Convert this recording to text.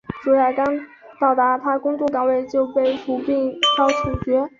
卓娅刚到达她工作岗位就被俘并遭处决。